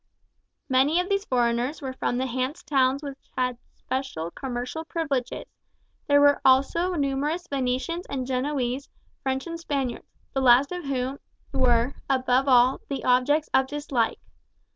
Many of these foreigners were from the Hanse towns which had special commercial privileges, there were also numerous Venetians and Genoese, French and Spaniards, the last of whom were, above all, the objects of dislike.